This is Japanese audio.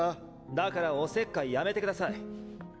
だからお節介やめてください！